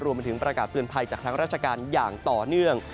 มาถึงประกาศเตือนภัยจากทางราชการอย่างต่อเนื่อง